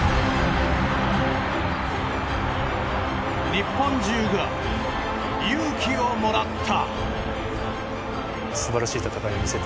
日本中が勇気をもらった。